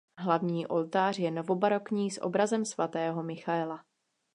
Hlavní oltář je novobarokní s obrazem "sv. Michaela".